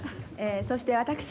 そして私が。